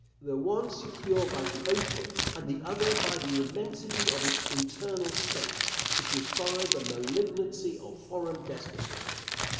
The one secure by the ocean, and the other by the immensity of its internal strength, could defy the malignancy of foreign despotism.